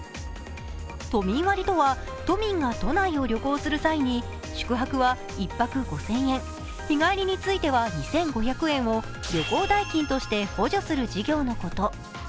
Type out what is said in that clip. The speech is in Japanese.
都民割とは都民が都内を旅行する際に宿泊は１泊５０００円、日帰りについては２５００円を旅行代金とし補助する事業のこと。